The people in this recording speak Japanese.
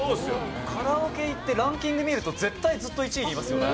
宮田：カラオケ行ってランキング見ると絶対、ずっと１位にいますよね。